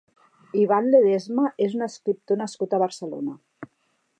Ivan Ledesma és un escriptor nascut a Barcelona.